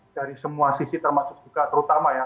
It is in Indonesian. dari semua sisi termasuk juga terutama ya